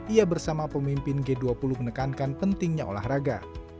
ia bersama pemimpin g dua puluh menekankan pentingnya olahraga